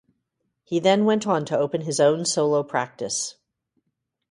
He then went on to open his own solo practice.